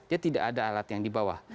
ya tidak ada alat yang di bawah